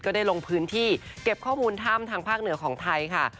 ได้ลงพื้นที่เก็บข้อมูลถ้ำทางภาคเหนือของไทยค่ะ